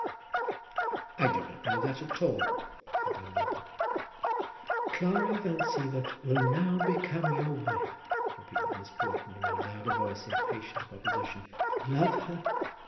"I do not know that at all," said Dalrymple. "Clara Van Siever will now become your wife," repeated Mrs. Broughton in a louder voice, impatient of opposition. "Love her.